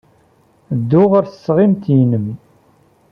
Ddu ɣer tesɣimt-nnem.